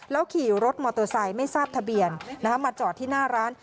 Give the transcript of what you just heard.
ขี่รถมอเตอร์ไซค์ไม่ทราบทะเบียนมาจอดที่หน้าร้าน